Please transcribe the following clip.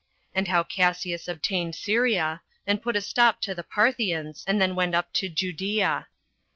Also How Cassius Obtained Syria, And Put A Stop To The Parthians And Then Went Up To Judea.